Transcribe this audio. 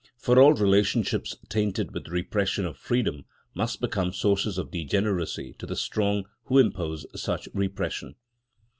For all relationships tainted with repression of freedom must become sources of degeneracy to the strong who impose such repression.